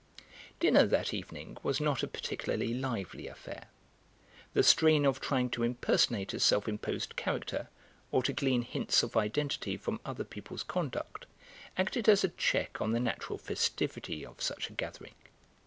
Dinner that evening was not a particularly lively affair; the strain of trying to impersonate a self imposed character or to glean hints of identity from other people's conduct acted as a check on the natural festivity of such a gathering.